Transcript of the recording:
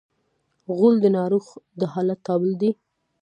غول د ناروغ د حالت تابل دی.